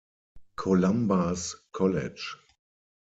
Columba’s College“.